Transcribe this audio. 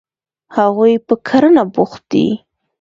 هغوی په کرنه بوخت دي.